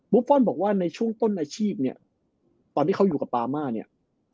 ฟอลบอกว่าในช่วงต้นอาชีพเนี่ยตอนที่เขาอยู่กับปามาเนี่ย